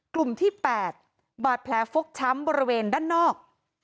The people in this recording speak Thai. กลุ่มที่๘บาดแผลฟกช้ำบริเวณด้านนอก